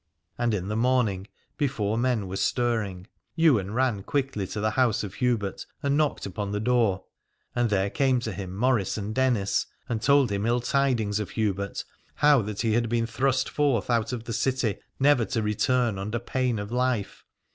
And in the morning before men were stirring Ywain ran quickly to the house of Hubert and knocked upon the door : and there came to him Maurice and Dennis, and told him ill tidings of Hubert, how that he had been thrust forth out of the city, never to return under pain of life.